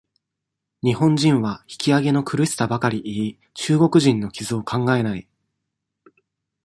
日本人は、引き揚げの苦しさばかり言い、中国人の傷を考えない。